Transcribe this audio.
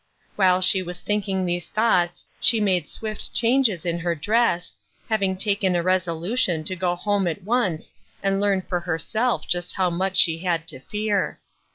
While she was thinking these thoughts she made swift changes in her dress, having taken a resolution to go home at once and learn for her self just how much she had to fear.